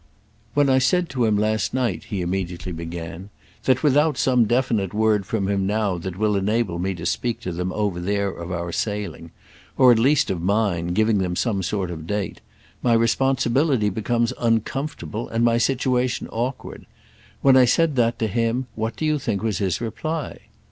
"When I said to him last night," he immediately began, "that without some definite word from him now that will enable me to speak to them over there of our sailing—or at least of mine, giving them some sort of date—my responsibility becomes uncomfortable and my situation awkward; when I said that to him what do you think was his reply?"